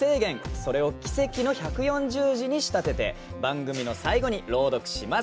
それをキセキの１４０字に仕立てて番組の最後に朗読します。